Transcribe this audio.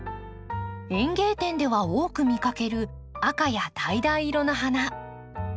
園芸店では多く見かける赤やだいだい色の花。